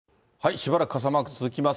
しばらく傘マーク続きます。